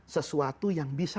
sesuatu yang bisa